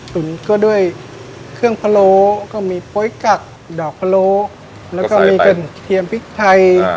ตุ๋นก็ด้วยเครื่องพะโล้ก็มีโป๊ยกักดอกพะโลแล้วก็มีกระเทียมพริกไทย